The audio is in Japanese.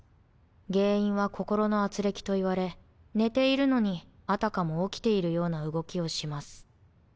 原因は心の軋轢といわれ寝ているのにあたかも起きているような動きをします。